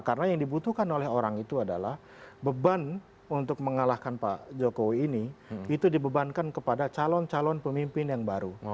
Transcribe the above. karena yang dibutuhkan oleh orang itu adalah beban untuk mengalahkan pak jokowi ini itu dibebankan kepada calon calon pemimpin yang baru